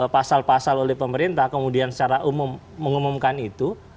pasal pasal oleh pemerintah kemudian secara umum mengumumkan itu